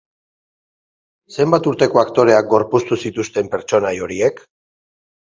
Zenbat urteko aktoreak gorpuztu zituzten pertsonai horiek?